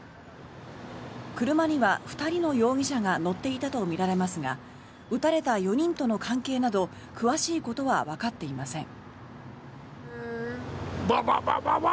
車には２人の容疑者が乗っていたとみられますが撃たれた４人との関係など詳しいことはわかっていません。